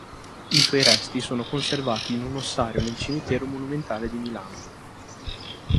I suoi resti sono conservati in un ossario nel Cimitero Monumentale di Milano.